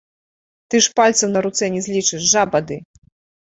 Ты ж пальцаў на руцэ не злічыш, жаба ты!